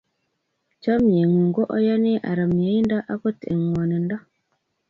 Chomye ng'ung' ko yoni aro myeindo angot eng' ng'wonindo